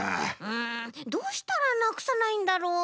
うんどうしたらなくさないんだろう？